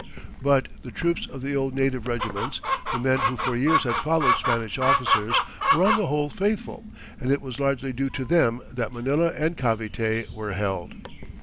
But the troops of the old native regiments the men who for years had followed Spanish officers were on the whole faithful, and it was largely due to them that Manila and Cavite were held.